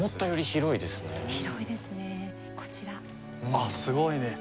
あっすごいね！